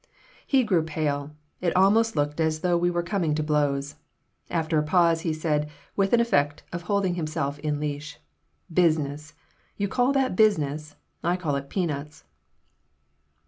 He grew pale. It almost looked as though we were coming to blows. After a pause he said, with an effect of holding himself in leash: "Business! Do you call that business? I call it peanuts."